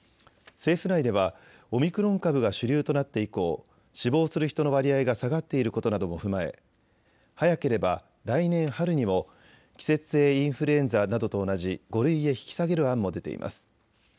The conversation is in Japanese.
政府内ではオミクロン株が主流となって以降、死亡する人の割合が下がっていることなども踏まえ早ければ来年春にも季節性インフルエンザなどと同じ５類へ引き下げる案も出ています。